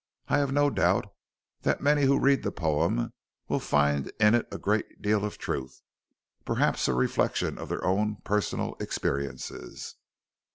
"I have no doubt that many who read the poem will find in it a great deal of truth perhaps a reflection of their own personal experiences."